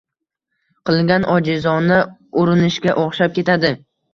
Qilingan ojizona urinishga oʻxshab ketadi.